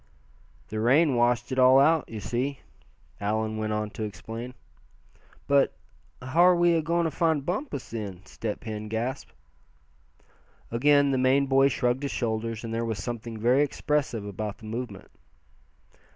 "The rain washed it all out, you see," Allan went on to explain. "But how are we agoin' to find Bumpus, then?" Step Hen gasped. Again the Maine boy shrugged his shoulders, and there was something very expressive about the movement.